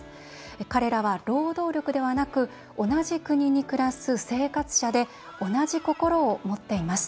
彼らは労働力ではなく同じ国に暮らす生活者で同じ心を持っています。